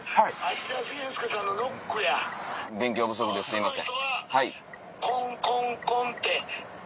勉強不足ですいません。